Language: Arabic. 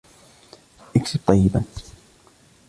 اكْسِبْ طَيِّبًا